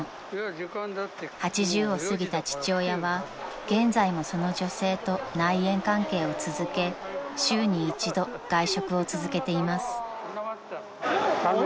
［８０を過ぎた父親は現在もその女性と内縁関係を続け週に一度外食を続けています］